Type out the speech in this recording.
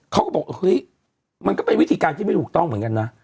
เขาก็บอกเฮ้ยมันก็เป็นวิธีการที่ไม่ถูกต้องเหมือนกันนะ